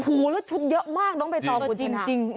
โอ้โหแล้วชุดเยอะมากต้องไปทองคุณคุณฮะ